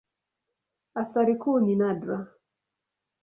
Athari kuu ni nadra.